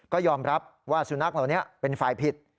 ก็ยอมรับว่าสุนัขเหล่านี้เป็นฝ่ายผิด